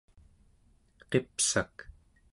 qipsak